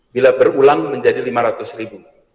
bila berulang menjadi rp lima ratus